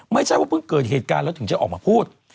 ไม่ใช่ว่าเพิ่งเกิดเหตุการณ์แล้วถึงจะออกมาพูด